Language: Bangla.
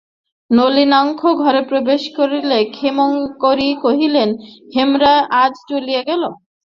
নলিনাক্ষ ঘরে প্রবেশ করিলে ক্ষেমংকরী কহিলেন, হেমরা যে আজ চলিয়া গেল।